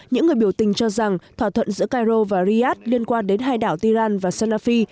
những người biểu tình cho rằng thỏa thuận giữa cairo và chariat liên quan đến hai đảo tiran và sanafi